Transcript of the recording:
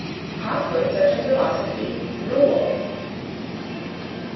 How could such a philosophy RULE!